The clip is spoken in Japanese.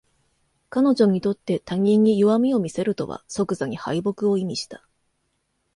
彼女にとって他人に弱みを見せるとは即座に敗北を意味した